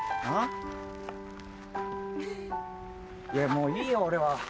もういいよ俺は。